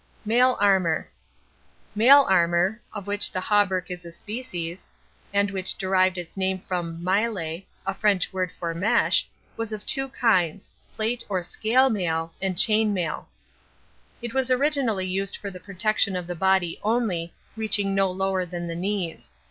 MAIL ARMOR Mail armor, of which the hauberk is a species, and which derived its name from maille, a French word for MESH, was of two kinds, PLATE or SCALE mail, and CHAIN mail. It was originally used for the protection of the body only, reaching no lower than the knees.